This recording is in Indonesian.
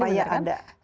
supaya ada hasilnya